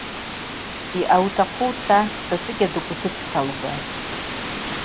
Йъаутахъу уца, са сыкӏьадыгв утыцӏта, — лхӏватӏ.